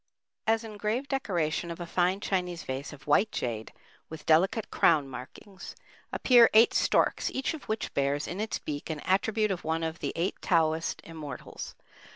As engraved decoration of a fine Chinese vase of white jade with delicate crown markings, appear eight storks, each of which bears in its beak an attribute of one of the Eight Taoist Immortals.